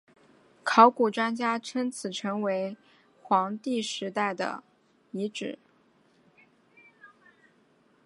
考古专家称此城是黄帝时代的遗址。